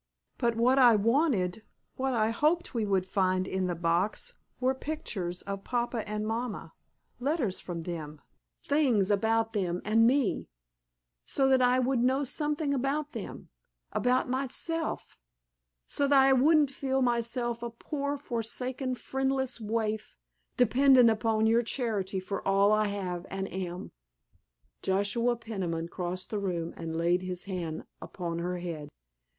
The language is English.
But what I wanted—what I hoped we would find in the box—were pictures of Papa and Mama, letters from them—things about them and me—so that I would know something about them—about myself, so that I wouldn't feel myself a poor forsaken, friendless waif, dependent upon your charity for all I have and am." Joshua Peniman crossed the room and laid his hand upon her head.